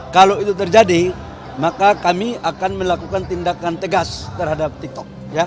kalau itu terjadi maka kami akan melakukan tindakan tegas terhadap tiktok